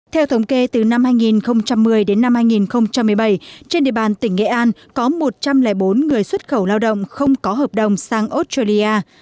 theo thống kê từ năm hai nghìn một mươi đến năm hai nghìn một mươi bảy trên địa bàn tỉnh nghệ an có một trăm linh bốn người xuất khẩu lao động không có hợp đồng sang australia